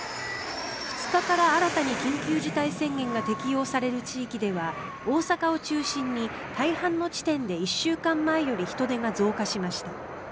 ２日から新たに緊急事態宣言が適用される地域では大阪を中心に大半の地点で１週間前より人出が増加しました。